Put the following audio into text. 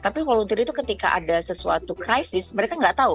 tapi volunteer itu ketika ada sesuatu krisis mereka nggak tahu